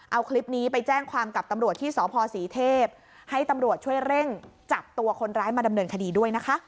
เอาคลิปนี้ไปแจ้งความกับตำรวจที่สพศรีเทพให้ตำรวจช่วยเร่งจับตัวคนร้ายมาดำเนินคดีด้วยนะคะ